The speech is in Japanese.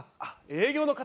営業の方？